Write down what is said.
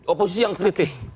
oposisi yang kritik